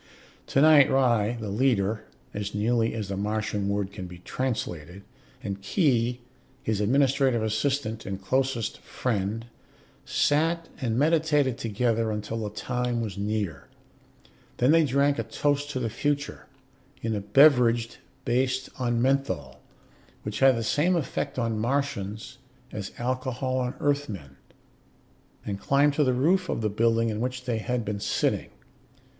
Tonight Ry, the leader (as nearly as the Martian word can be translated), and Khee, his administrative assistant and closest friend, sat and meditated together until the time was near. Then they drank a toast to the future in a beverage based on menthol, which had the same effect on Martians as alcohol on Earthmen and climbed to the roof of the building in which they had been sitting.